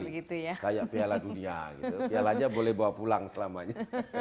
kayak piala dunia gitu pialanya boleh bawa pulang selamanya